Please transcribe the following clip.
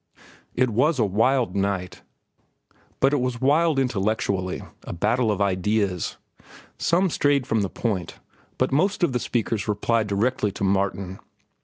It was a wild night—but it was wild intellectually, a battle of ideas. Some strayed from the point, but most of the speakers replied directly to Martin.